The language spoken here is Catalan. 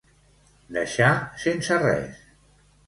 Deixar sense res.